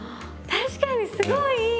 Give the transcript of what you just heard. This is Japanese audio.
確かにすごいいい！